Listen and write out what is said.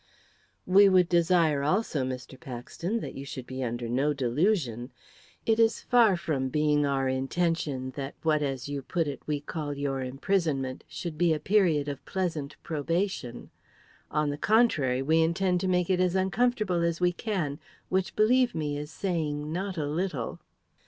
"We would desire, also, Mr. Paxton, that you should be under no delusion. It is far from being our intention that what, as you put it, we call your imprisonment should be a period of pleasant probation; on the contrary, we intend to make it as uncomfortable as we can which, believe me, is saying not a little."